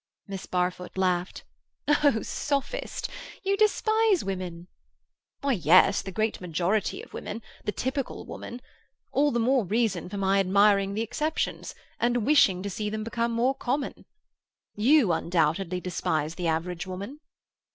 Miss Barfoot laughed. "Oh, sophist! You despise women." "Why, yes, the great majority of women—the typical woman. All the more reason for my admiring the exceptions, and wishing to see them become more common. You, undoubtedly, despise the average woman."